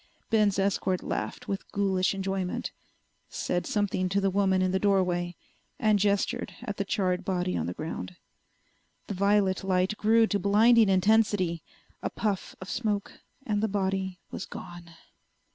Ben's escort laughed with ghoulish enjoyment, said something to the woman in the doorway, and gestured at the charred body on the ground. The violet light grew to blinding intensity. A puff of smoke and the body was gone.